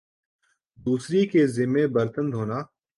دوسری کے ذمہ برتن دھونا